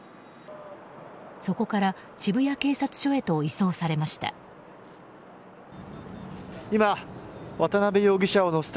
そこから渋谷警察署へと移送されました。